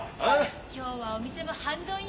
今日はお店も半ドンよ。